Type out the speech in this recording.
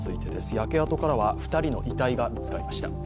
焼け跡からは２人の遺体が見つかりました。